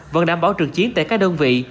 vẫn đảm bảo trực chiến tại các đơn vị